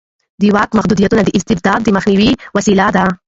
د واک محدودیت د استبداد د مخنیوي وسیله ده